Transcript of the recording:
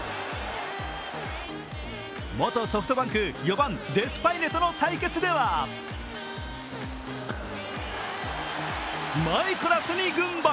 元ソフトバンク、４番・デスパイネとの対決ではマイコラスに軍配。